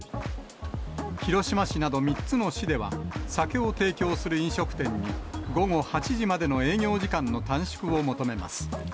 広島市など３つの市では、酒を提供する飲食店に、午後８時までの営業時間の短縮を求めます。